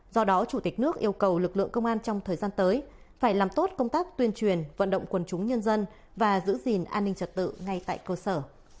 do đó chủ tịch nước yêu cầu lực lượng công an trong thời gian tới phải làm tốt công tác tuyên truyền vận động quần chúng nhân dân và giữ gìn an ninh trật tự ngay tại cơ sở